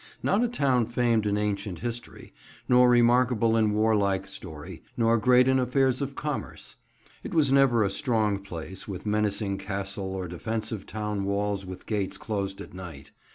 Not a town famed in ancient history, nor remarkable in warlike story, nor great in affairs of commerce. It was never a strong place, with menacing castle or defensive town walls with gates closed at night.